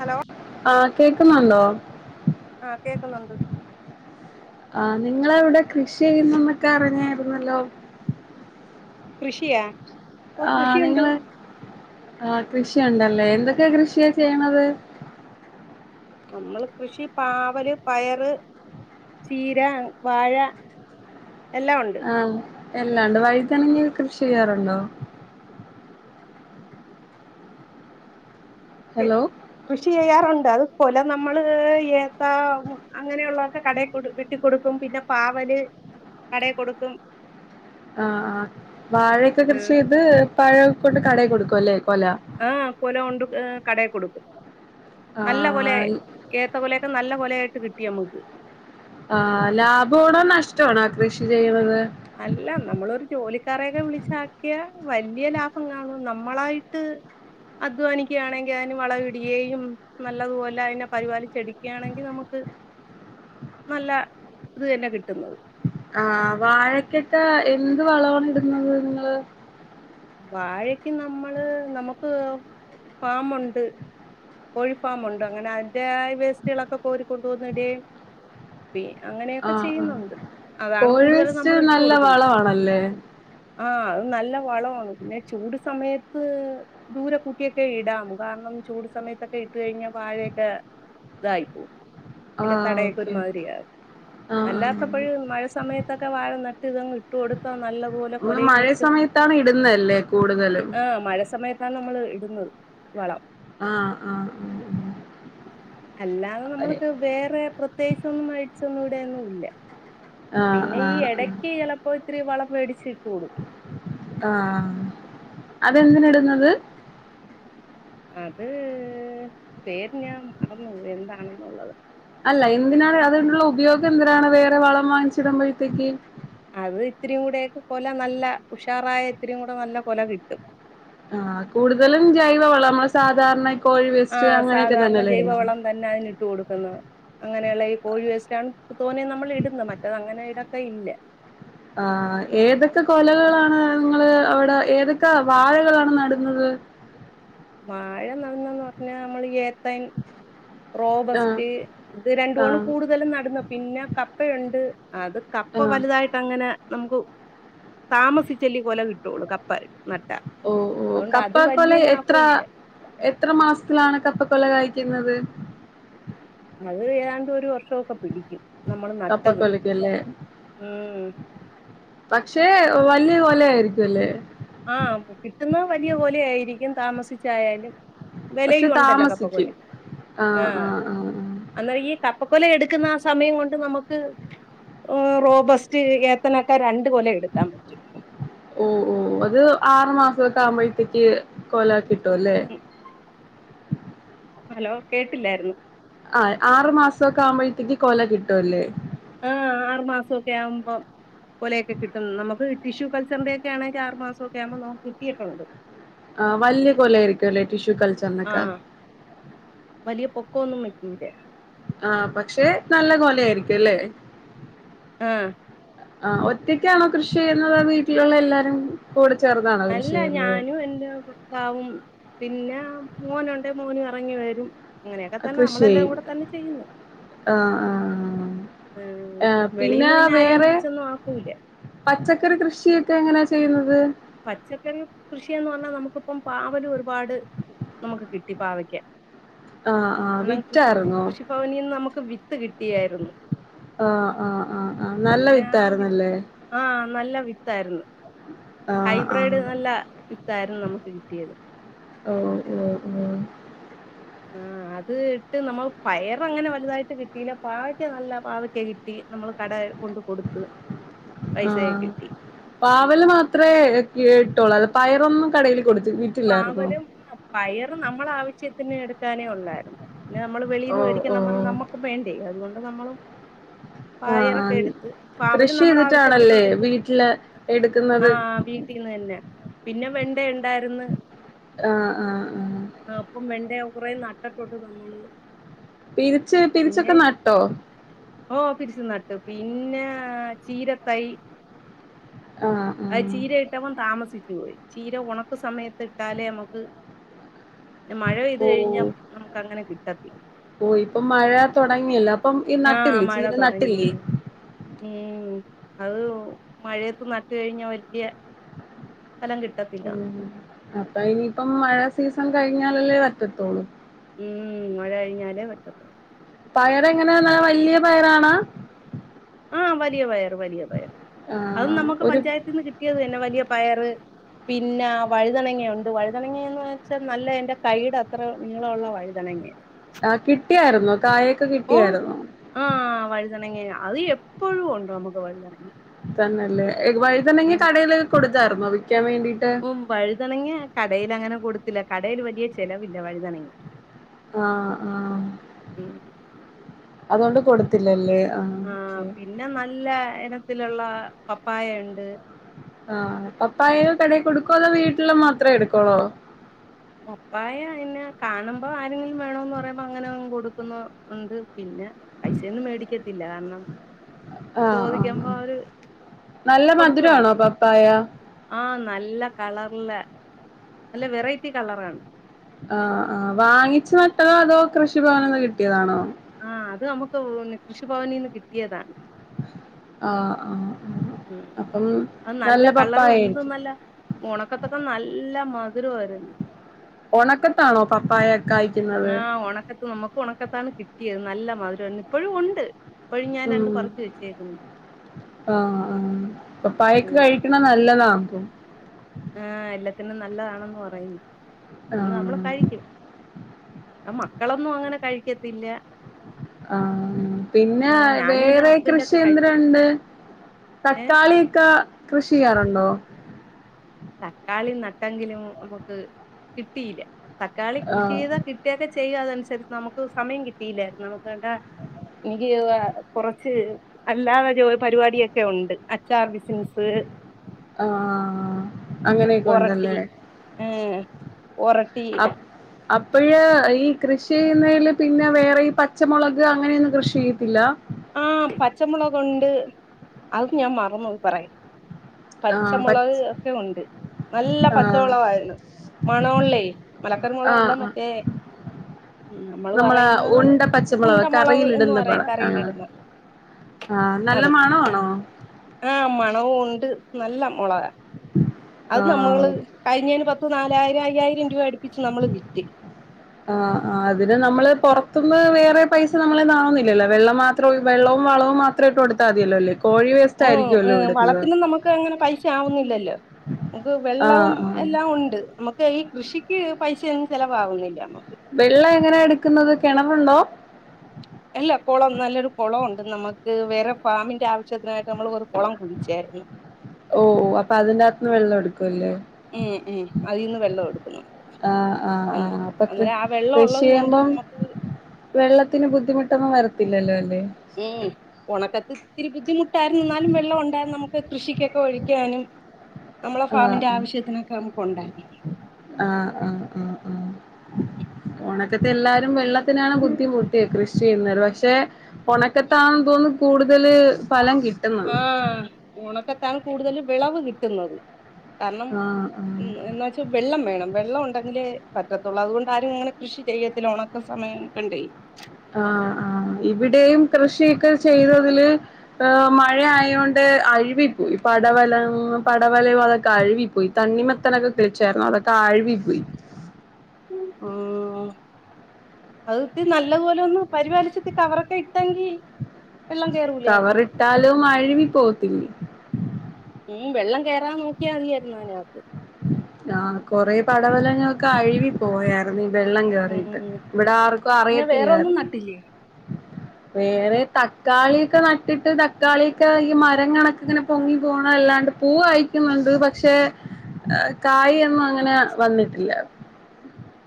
Hello ആ കേക്കുന്നുണ്ടോ ആ കേക്കുന്നുണ്ട് ആ നിങ്ങളവിടെ കൃഷി ചെയ്യുന്നന്നൊക്കെ അറിഞ്ഞായിരുന്നല്ലോ കൃഷിയാ ഓ ആ കൃഷിയുണ്ട് നിങ്ങള് ആ കൃഷിയുണ്ടല്ലേ എന്തൊക്കെയാ കൃഷിയാ ചെയ്യണത് നമ്മള് കൃഷി പാവല് പയറ് ചീര വാഴ എല്ലാം ഒണ്ട് ആ എല്ലാണ്ട് വഴുതനങ്ങ കൃഷി ചെയ്യാറുണ്ടോ ഹലോ കൃഷി ചെയ്യാറുണ്ട് അത് കൊല നമ്മള് ഏത്ത അങ്ങനെയുള്ളതൊക്കെ കടേല് കൊടുത്തി കൊടുക്കും പിന്നെ പാവല് കടേ കൊടുക്കും ആ ആ വാഴയൊക്കെ ആ കൃഷി ചെയ്ത് പഴൊക്കെ കൊണ്ട് കടയി കൊടുക്കും അല്ലേ കൊല ആ കൊല കൊണ്ട് കടയി കൊടുക്കും നല്ല കൊല ആഹ് ഏത്ത കൊലയൊക്കെ നല്ല കൊലയായിട്ട് കിട്ടിയാ നമുക്ക് ആ ലാഭവാണോ നഷ്ടവാണോ കൃഷി ചെയ്യണത് അല്ല നമ്മളൊരു ജോലിക്കാറേക്കെ വിളിച്ചാക്കിയ വലിയ ലാഭം കാണും നമ്മളായിട്ട് അധ്വാനിക്കുകയാണെങ്കിൽ അതിന് വളം ഇടുകയും നല്ലതുപോലെ അതിനെ പരിപാലിച്ചെടുക്കുകയാണെങ്കിൽ നമുക്ക് നല്ല ഇതന്നെ കിട്ടുന്നത് ആ വാഴക്കെട്ട് എന്ത് വളണ് ഇടുന്നത് നിങ്ങള് വാഴക്ക് നമ്മള് നമുക്ക് ഫാമുണ്ട് കോഴി ഫാമുണ്ട് അങ്ങനെ അതിന്റെ വേസ്റ്റികളൊക്കെ കോരി കൊൊണ്ടപോകുന്നിടയും പി ന്നെഅങ്ങനെയൊക്കെ ആഹ് ആഹ് ചെയ്യുന്നുണ്ട് അതാണ് കോഴി കൂടുതലും വേസ്റ്റ് നമ്മൾ ഇട്ട നല്ല കൊൊടുക്കുന്നത് വളമാണല്ലേ ആഹ അത് നല്ല വളമാണ് പിന്നെ ചൂട് സമയത്ത് ദൂരെക്ക കുട്ടിയൊക്കെ ഇടാാം കാരണം ചൂട് സമയത്തൊക്കെ ഇട്ട കഴിഞ്ഞാ വാഴയൊക്കെ ഇതായി പോവും എന്റെ ആഹ് തടയൊക്കെ ഒരു ഓക്കെ മാതിരിയാകും ആഹ് ആഹ് അല്ലാത്തപ്പോഴും മഴ സമയത്ത് ഇതൊക്കെ വഴ നട്ട് ഇ കൊടുക്കാൻ നല്ല പോലെ ഒന്ന് മഴയ സമയത്താണ് ഇടുന്നല്ലേ കൂടുതലും ആ് മഴ സമയത്താണ് നമ്മൾ ഇടുന്നത് വളം ആഹ് ആഹ് ആഹ് ആഹ് അല്ലാതെ അതെ. നമ്മൾക്ക് വേറെ പ്രത്യേകിച്ചൊന്നും മേടിച്ചൊന്നും ഇവിടെൊന്നും ഇല്ല ആഹ് പിന്നെ ഈ ആഹ് ഇടക്ക് ചലപ്പോ ഒത്തിരി വളം മേടിച്ചിട്ടൂള്ളൂ ആഹ അതെന്തിന ഇടുന്നത് അത്... പേര് ഞാൻ മറന്നൂ എന്താണെന്നുള്ളത്. അല്ല എന്തിനാണ്, അതുകൊണ്ട്ള്ള ഉപയോഗം എന്തിനാണ്, വേറെ വളം വാങ്ങിച്ചിടുമ്പഴത്തേയ്ക്ക്? അത് ഇത്തിരിം കൂടെയെക്കെ, കൊല നല്ല ഉഷാറായ ഇത്തിരിം കൂടെ നല്ല കൊല കിട്ടും. ആഹ്, കൂടുതലും ജൈവവളം, സാധാരണ കോഴി വേസ്റ്റ് ആഹ് അങ്ങനെയൊക്കെ സാധാരണ തന്നെയല്ലേ ഇടുന്നെ? ജൈവവളം തന്നെ അതിന് ഇട്ട് കൊടുക്കുന്നത്. അങ്ങനെയുള്ള ഈ കോഴിവേസ്റ്റാണ് തോനേ നമ്മൾ ഇടുന്നത്, മറ്റതങ്ങനെ ഇടത്തേ ഇല്ല. ആഹ്, ഏതൊക്കെ കൊലകളാണ് നിങ്ങള് അവിടെ, ഏതൊക്കെ വാഴകളാണ് നടുന്നത്? വാഴ നടുന്നെ ന്ന് പറഞ്ഞാ, നമ്മള് ഏത്തൻ ആഹ് റോബസ്റ്റ്, ഇത് രണ്ടുവാണ് ആഹ് കൂടുതലും നടുന്നത്. പിന്നെ കപ്പയുണ്ട് അത് കപ്പ ആഹ് വലുതായിട്ടങ്ങനെ നമുക്ക് താമസിച്ചല്ലേ കൊല കിട്ടുള്ളൂ, കപ്പ നട്ടാ ഓഹ് ഓഹ്. അതുകൊണ്ട് കപ്പ അത് വലിയ കൊല് ലാഭം എത്രാ ഇല്ല എത്ര മാസത്തിലാണ് കപ്പക്കൊല കായ്ക്കുന്നത്? അത് ഏതാണ്ട് ഒരു വർഷമൊക്കെ പിടിക്കും, നമ്മള് നട്ടത് കപ്പക്കൊലക്കല്ലേ ഊം. പക്ഷേ, വല്യ കൊലയായിരിക്കു അല്ലേ? ആഹ്, കിട്ടുന്നത് വലിയ കൊലയായിരിക്കും താമസിച്ചായാലും പക്ഷെ വെലയും ഉണ്ടല്ലോ താമസിക്കും കപ്പക്കൊലയ്ക്ക്, ആഹ് അല്ല ഈ കപ്പക്കൊല എടുക്കുന്ന ആ സമയം കൊണ്ട് നമുക്ക് ഏ റോബസ്റ്റ്, ഏത്തനൊക്കെ രണ്ട് കൊല എടുക്കാൻ പറ്റും. ഓഹ്, ഓഹ് അത് ആറു മാസൊക്കെ ആവുമ്പഴത്തേക്ക് കൊല കിട്ടും അല്ലേ? ഹലോ കേട്ടില്ലായിരുന്നു. ആ ആറു മാസൊക്കെ ആവുമ്പഴത്തേക്ക് കൊല കിട്ടുവല്ലേ? ആഹ് ആറു മാസൊക്കെ ആവുമ്പം, കൊലയൊക്കെ കിട്ടും. നമുക്ക് ടിഷ്യൂ കൾച്ചറിന്റെ ഒക്കെ ആണെങ്കി, ആറ് മാസൊക്കെ ആകുമ്പോ നമുക്ക് കിട്ടിയിട്ടുണ്ട്. ആഹ് വല്യ കൊല ആയിരിക്കും അല്ലേ, ടിഷ്യൂ കൾച്ചർനൊക്കെ? ആഹ് വലിയ പൊക്കം ഒന്നും വയ്ക്കൂല്ല. ആഹ് പക്ഷെ, നല്ല കൊല ആയിരിക്കും അല്ലേ? ആഹ് ആഹ് ഒറ്റയ്ക്കാണോ കൃഷി ചെയ്യുന്നത്‌, വീട്ടിലുള്ള എല്ലാരും കൂടെ ചേർന്നാണോ കൃഷി ചെയ്യുന്നത്‌? [unintelligible] ആവും, പിന്നെ മോനുണ്ട്, മോന് ഇറങ്ങി വരും. ആ, അങ്ങനെയൊക്കെത്തന്നെ, കൃഷി നമ്മളെല്ലരും ചെയ്യും കൂടെ തന്നെ ചെയ്യുന്നു. ആഹ് ആഹ് ആഹ്, ഏഹ് വെളീന്ന് പിന്നെ ആരേം വേറെ വിളിച്ചൊന്നും ആക്കൂല. പച്ചക്കറി കൃഷിയൊക്കെ എങ്ങനാ ചെയ്യുന്നത്? പച്ചക്കറി കൃഷിയെന്ന് പറഞ്ഞാ നമുക്കിപ്പം, പാവല് ഒരുപാട് നമുക്ക് കിട്ടി പാവയ്ക്ക. ആഹ് ആഹ് കാരണം കൃഷി, വിറ്റായിരുന്നോ കൃഷിഭവനീന്ന് നമുക്ക് വിത്ത് കിട്ടിയായിരുന്നു. ആഹ് ആഹ് ആഹ് ആഹ്. നല്ല അങ്ങനെ ആ വി വിത്തായിര്ന്നല്ലേ? ആഹ് നല്ല വിത്തായ്ര്ന്ന്. ആഹ് ആഹ് ഹൈബ്രേഡ് നല്ല വിത്തായിരുന്നു നമുക്ക് കിട്ടിയത്. ഓഹ് ഓഹ് ഓഹ് ആ [inaudible] അത് ഇട്ട് നമ്മൾ പയറങ്ങനെ വലുതായിട്ട് കിട്ടിയില്ല, പാവയ്ക്ക നല്ല പാവക്ക കിട്ടി, നമ്മള് കട കൊണ്ട് കൊടുത്ത്, പൈസയെ ആഹ് കിട്ടി. പാവല് മാത്രേ കേട്ടുള്ളൂ. പയറൊന്നും കടേൽ കൊടുത്ത് വിറ്റില്ലായിരുന്നോ പാവലും, പയറും നമ്മളെ ആവശ്യത്തിന് എടുക്കാനേ ഒള്ളായിരുന്നു. പിന്നെ നമ്മള് വെളീന്ന് ഓഹ് മേടിക്കൻ ഓഹ് [unintelligible] നമ്മക്കും വേണ്ടേ, അതുകൊണ്ട് നമ്മള് ആഹ് പായറൊക്കെ ആഹ് എടുത്ത്, പാവലും കൃഷി നമ്മളാവശ്യത്തിന് ചെയ്തിട്ടാണല്ലേ എടുത്ത്, വീട്ടില് എടുക്കുന്നത് ആഹ് വീ ന്ന്ത്തീ തന്നെ. പിന്നെ വെണ്ട ഇണ്ടായിര്ന്ന് ആഹ് ആഹ് ആഹ് അപ്പം വെണ്ട കൊറേ നട്ടട്ടുണ്ട് [unintelligible] പിരിച്ച് പിതിരിച്ചൊക്കെ നട്ടോ ഓ പിരിച്ചു നടട്ട് പിന്നെ ചീരതൈ ആ ആ ആ ചീര ഇട്ടവം താമസിച്ചു പോയി ചീര ഉണക്ക സമയത്ത് ഇട്ടാലേ നമുക്ക്. പിന്നെ മഴ പെയ്ത് കഴിഞ്ഞാൽ നമുക്ക് അങ്ങനെ കിട്ടത്തില്ല. ഓ ഇപ്പൊ മഴ തുടങ്ങിയല്ലോ അപ്പം ഈ ആഹ് നട്ടില്ലേ മഴ ചീര തുടങ്ങി മഴ നട്ടില്ലേ. ഉം അത് മഴയത്ത് നട്ട കഴിഞ്ഞ വലിയ. ഫലം കിട്ടത്തില്ല. അപ്പോ ഇനിയിപ്പം മഴ സീസൺ കഴിഞ്ഞാലല്ലേ പറ്റത്തോുള്ളൂ ഉം ഒരഴിഞ്ഞാലേ പറ്റത്തോള്ളൂ പയർ എങ്ങനെയന്ന വലിയ പയറാണാ. ആഹ വലിയ പയറ് വലിയ പയർ അതും ആഹ് നമുക്ക് ഒരു പഞ്ചായത്തിൽ നിന്ന് കിട്ടിയത് തന്നെ വലിയ പയറ്. പിന്നെ വഴുതനങ്ങയുണ്ട് വഴുതനങ്ങന്ന് വെച്ചാൽ നല്ല എന്റെ കൈയുടെ അത്ര നിങ്ങളുള്ള വഴുതനങ്ങ. ആ കിട്ടിയായിുന്നോ കായൊക്കെ കിട്ടിയായിുന്നോ. ആഹ വഴുതനങ്ങി അത് എപ്പോഴും ഉണ്ടാക്കും നമുക്ക് വഴുതനങ്ങ.. തന്നെയല്ലേ വഴിതനങ്ങ ഉം കടയ്ൽ കൊടുത്തായിരുന്നുോ വിൽക്കാൻ വേണ്ടിട്ട്. വഴുതണങ്ങിയ കടൽ അങ്ങനെ കൊടുത്തില്ല കടയിൽ വലിയ ചെലവില്ല വഴുതനങ്ങ ആഹ ആഹ ഉം അതുകൊണ്ട് കൊടുത്തില്ലല്ലേ ആഹ ആഹ പിന്നെ നല്ല ഇനത്തിലുള്ള പപ്പായ ഉണ്ട് ആഹ പപ്പായ കടയിൽ കൊടുക്കോ അതോ വീട്ടിൽ മാത്രമേ എടുക്കോളോ. പപ്പായ പിന്നെ കാണുമ്പോ ആരെങ്കിലും വേണോന്ന് പറയുമ്പോ അങ്ങനെ കൊടുക്കുന്ന ഉണ്ട് പിന്നെ പൈസയൊന്നും മേടിക്കത്തില്ല കാരണം. ആഹ ആഹ ചോദിക്കുമ്പോ ആ അവര് നല്ല മധുരമാണോ പപ്പായ. ആഹ നല്ല കളറില്. നല്ല വെറൈറ്റി കളർാണ് ആഹ ആഹ് വാങ്ങിച്ചു നട്ടതോ അതോ കൃഷിഭവനന്ന് കിട്ടിയതാണോ ആഹ് അത് നമുക്ക് കൃഷിഭവനിൽ നിന്ന് കിട്ടിയതാണ് ആഹ ആ ഉം അപ്പം നല്ല പപ്പായായിരിക്കും അല്ല ഉണക്കത്തൊക്കെ നല്ല മധുരമായിരുന്നു ഉണക്കത്താണോ പപ്പായൊക്കായി ആഹ് ഉണക്കത്ത് നമുക്ക് ഉണക്കത്താണ് കിട്ടിയത് നല്ല മധുര ഇപ്പോഴും ഉണ്ട് ഇപ്പോഴും ഞാൻ ഉ രണ്ട് പറിച്ച് വെച്ചേക്കുന്നു ആ ആഹ്പ്പായക്ക കഴ ആഹ് കഴിക്കണ നല്ലതാ ആഹ എല്ലാത്തിനും നല്ലതാണെന്ന് പറയുന്നു അന്ന് നമ്മള് ആഹ് കഴിക്കും അ മക്കളൊന്നും അങ്ങനെ കഴിക്കത്തില്ല.. ആഹ ആ. പിന്നെ ആഹ് ഞാനും എന്റെ വേറെ കൃഷി ഹസ്ബൻഡൊക്കെ കഴിക്കും യെന്ത്രെണ്ട്.. ഏഹ് തക്കാളി ഇക്ക കൃഷി ചെയ്യാറുണ്ടോ.. തക്കാളി നട്ടെങ്കിലും മുക്ക് കിട്ടിയില തക്കാളി കൃഷി ആഹ് യ്താകി.. യൊക്കെ ചെയ്യുക അതനുസരിച്ച് നമുക്ക് സമയം കിട്ടിയില്ലായിരുന്നു നമുക്ക താ.. ഇഞ്ചിയോവ. കൊറച്ച്.. അല്ലാതെ ജോ പരിപാടടിൊക്കെ ഉണ്ട് അച്ചാർ ബിസ്സിൻസ് ആഹഹ അങ്ങനെയൊക്കെ ഒറട്ടി ഉണ്ടല്ലേ. ഏഹ് ഒറട്ടി അപ്പ്‌.. അപ്പഴ്‌. ഈ കൃഷി യ്യുന്നയിൽ പിന്നെ വേറെ ഈ പച്ചമൊളക് അങ്ങനെയൊന്ന് കൃഷി.. ത്തില്ലഅ.. ആഹപച്ചമുളക് ഉണ്ട് അത് ഞാൻ മറന്നുപറയാൻ ആഹ് പച്ചമൊളക് പച് ഒക്കെ ഉണ്ട് നല്ല ആഹ് പച്ചമൊളകായിര്ന്ന്.. മണള്ളേ. ആഹ് ആഹ് മലക്കറമോളകഎല്ലാമറ്റേ.. മ്മ്. നമ്മൾ നമ്മളെ പറയുന്ന ഉണ്ട ഉണ്ടമൊളക്എന്ന് പറയും കറിയിലിട്.. ആഹ നല്ല മണആണോ ആഹ് മണവു ഉണ്ട് നല്ല മൊളക അത് നമ്മള്. ആഹ് കഴിഞ്ഞയിന് പത്ത് നാലായിരം അയ്യായിരം രൂപ അടുപ്പിച്ച് നമ്മള് വിറ്റി. ആഹ് ആഹ് അതിന് നമ്മള് പൊറത്തുന്ന് വേറെ പൈസ നമ്മളെ അവുന്നില്ലല്ലോ വെള്ളം മാത്രോ വെള്ളവും വളവും മാ ത്ര ഇട്ടു. കൊടുത്ത മതിയല്ലോല്ലേ. കോഴി വേസ് ഉം വളത്തിനും നമുക്ക് അങ്ങനെ പൈഷ ആവുന്നില്ലല്ലോ. നമുക്ക് ആഹ് വെള്ളവും ആഹ് എല്ലാം ഉണ്ട് നമക്ക് ഈ കൃഷിക്ക് പൈസയൊന്നും ചെലവാവുന്നില്ല നമ്മക്ക്. വെള്ള എങ്ങനെയ എടുക്കുന്നത് കെണറുണ്ടോ. എല്ല കൊളം നല്ലൊരു കൊളൊണ്ട് നമക്ക് വേറെ ഫാമിന്റെ ആവശ്യത്തിനായിട്ട് നമ്മൾ ഒരു കൊളം കുഴിചര്ന്നു ഓ. അപ്പൊ അതിന്റെ അകത്തുന്ന് വെള്ള എടുക്കു അല്ലെ.. ഉം ഉം അതിൽന്ന് വെള്ളം എടുക്കുന്നു ആഹ് ആഹ് അന്ന് ആഹ് അപ്പൊ കൃ അന്നേരം ആ വെള്ളം കൃഷി ഉള്ളത് കൊണ്ട് ചെയ്യുമ്പം. നമുക്ക് വെള്ളത്തിന് ബുദ്ധിമുട്ടൊന്നും വരത്തില്ലല്ലോ അല്ലേ ഉം ഒണക്കത്ത് ഇത്തിരി ബുദ്ധിമുട്ടായിര്ന്നു എന്നാലും വെള്ളോണ്ടായിരുന്നു നമുക്ക് കൃഷിക്കൊക്കെ ഒഴിക്കാനും. നമ്മളെ ഫാമിന്റെ ആഹ് ആവശ്യത്തിനൊക്കെ നമുക്ക് ഉണ്ടാര്ന്നു ആഹ് ആഹ് ആഹ് ഒണക്കത്തെ എല്ലാരും വെള്ള ത്തിനാണ് ബുദ്ധിമുട്ടിയെ കൃഷി ചെയ്യുന്നത് പഷേ ഒണക്കത്താണ് തൊന്നുന്നു കൂടുതല് ഫലം കിട്ട് ആഹ് ഒണക്കത്താണ് കൂടുതൽ വെളവ് കിട്ടുന്നത് കരണം ആഹ് ആഹ് ഉം എന്ന് വച്ച് വെള്ളം വേണം വെള്ളം ഉണ്ടെങ്കിലെ പറ്റത്തുള്ളൂ അതോണ്ടാരും അങ്ങനെ കൃഷി ചെയ്യതില്ല ഒണക്ക സമയം അയോണ്ടെ ആഹ് ആഹ് ഇവിടെയും കൃഷിയൊക്കെ ചെയ്തതില് ആഹ് മഴയയൊണ്ട് അഴിവിപ്പോയി പടവലം പടവലയൊക്കെ അഴ് വിപ്പോയി തണ്ണിമത്തനൊക്കെ കിളിച്ചായിരുന്നു അതൊക്കെ ആഴിവിപോയി.. ആഹ് അത് തി നല്ലപോലെന്ന് പരിപാലിച്ചിട്ട് കവറൊക്കെ ഇട്ടെങ്കി വെള്ളം കേറൂലായിര്ന്നു. ട്ടാലും അഴ് വിപോവത്തില്ലേ.. ഉം വെള്ളം കെറാൻ നോക്കിയാ മതിയര്ന്നു അയിനകത്ത്.. ആഹ് കൊറെ പടവെലങ്ങക്കെ അഴിവി പോയാര്ന്നു ഈവെള്ളം കേറിട്ട് ഉം ഇവിടെ ആർക്കു പിന്നെ വേറെ ഒന്നും അറിയത്തില്ലായിര്ന്നു. നട്ടില്ലേ വേറെ തക്കാളിയൊക്കെ നട്ടിട്ട് തക്കാളിയൊക്കെ ഈ മരം കണക്ക് ഇങ്ങനെ പൊങ്ങി പോണ അല്ലാണ്ട് പൂവ് കായിക്കുന്നുണ്ട് പക്ഷെ കായി ഒന്നും അങ്ങനെ വന്നിട്ടില്ല..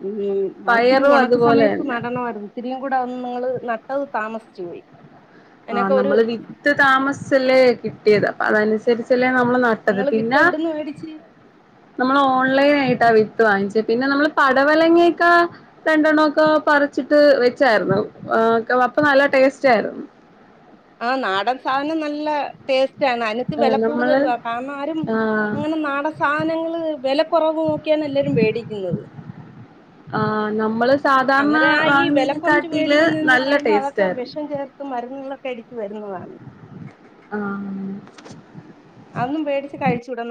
ഉം ഇത്തിരി പയറും ഒണക്ക് അതുപോലെ സമയത്ത് തന്നെ നടണവയിര്ന്നു. ഇത്തിരിയും കൂടി ഒന്ന് നിങ്ങള് നട്ടത് താമസിച്ചു പോയി ആഹ് അതിനൊക്കെ ഒരു നമ്മള് വിത്ത് താമസ്ച്ചല്ലേ കിട്ടിയത് അപ്പൊ അതിന് അനുസരിച്ചല്ലേ നമ്മള് നട്ട് ട്ടത് നിങ്ങള് വിത്ത് പിന്നെ എവിടുന്ന് മേടിച്ച് നമ്മള് ഓൺലൈനായിട്ട വിത്ത് വാങ്ങിച്ചെ പിന്ന നമ്മള് പടവലങ്ങയെക്ക രണ്ടെണ്ണോക്ക പറിച്ചിട്ട് വെച്ചാരുന്നു അഹ് അപ്പ നല്ല ടേസ്റ്റാരുന്നു ആഹ് നാടൻ സാധനം നല്ല ടേസ്റ്റാണ് അനത്ത് വെല നമ്മള് കൂടുതലുവ കാരണം ആഹ് അങ്ങനെ നാട ൻ സാനങ്ങള് വെല കൊറവ് നോക്കിയാണ് എല്ലരും വേടിക്കുന്നത് ആഹ്ന മ്മള് സാധാർണ അന്നേരം ആ ഈ വില കുറച്ച് വാങ്ങ്നീനെക്കാട്ടില് നല്ല ടേസ്റ്റാരുന്നു ക മരുന്നുകളൊക്കെ അടിച്ച് വരുന്നതാണ് ആഹ് അതോന്നും വേടിച്ച് കഴിച്ചൂട ന